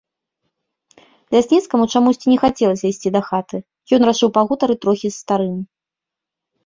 Лясніцкаму чамусьці не хацелася ісці дахаты, ён рашыў пагутарыць трохі з старым.